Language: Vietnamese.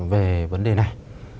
về vấn đề này